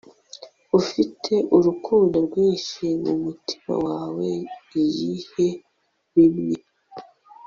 ufite urukundo rwinshi mumutima wawe iyihe bimwe